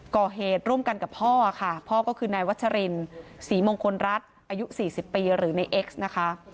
ก่อเหตุร่วมกันกับพ่อค่ะพ่อก็คือนายวัชรินศรีมงคลรัฐอายุ๔๐ปีหรือในเอ็กซ์นะคะ